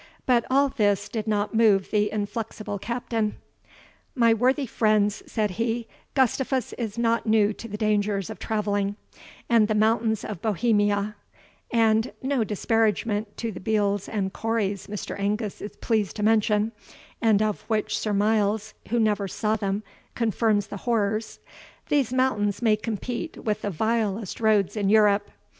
But all this did not move the inflexible Captain. "My worthy friends," said he, "Gustavus is not new to the dangers of travelling, and the mountains of Bohemia; and (no disparagement to the beals and corries Mr. Angus is pleased to mention, and of which Sir Miles, who never saw them, confirms the horrors,) these mountains may compete with the vilest roads in Europe.